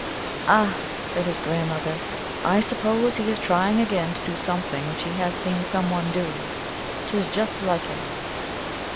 "Ah !" said his grandmother, " I suppose he is trying again to do something which he has seen some one do. T is just like him."